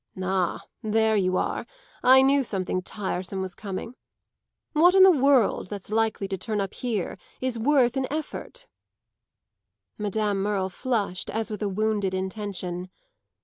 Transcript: "Ah, there you are! I knew something tiresome was coming. What in the world that's likely to turn up here is worth an effort?" Madame Merle flushed as with a wounded intention.